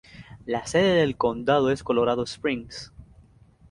La sede del condado es Colorado Springs.